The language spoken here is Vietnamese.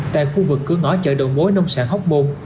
tại khu vực cửa ngõ chợ đầu mối nông sản hóc môn